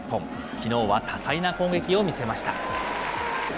きのうは多彩な攻撃を見せました。